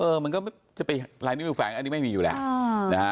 เออมันก็จะไปรายนิ่งมือแฟงอันนี้ไม่มีอยู่แหละ